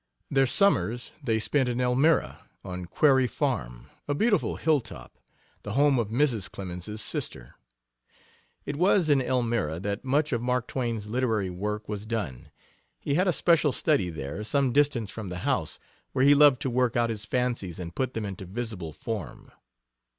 Their summers they spent in Elmira, on Quarry Farm a beautiful hilltop, the home of Mrs. Clemens's sister. It was in Elmira that much of Mark Twain's literary work was done. He had a special study there, some distance from the house, where he loved to work out his fancies and put them into visible form.